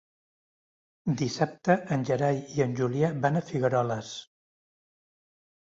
Dissabte en Gerai i en Julià van a Figueroles.